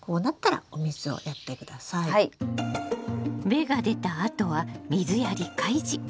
芽が出たあとは水やり開始！